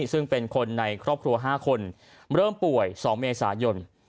ซึ่งเป็นคนในครอบครัว๕คนเริ่มป่วย๒เมษายน